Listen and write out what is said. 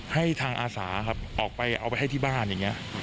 ให้ทางอาสาครับออกไปเอาไปให้ที่บ้านอย่างนี้